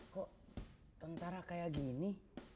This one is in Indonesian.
kok tentara kayak gini